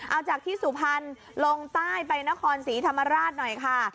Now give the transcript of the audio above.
เอาจากที่สุพรรณลงใต้ไปนครศรีธรรมราชหน่อยค่ะ